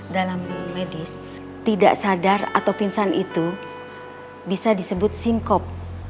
dalam medis tidak sadar atau pingsan itu bisa disebut singkop